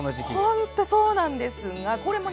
本当そうなんです。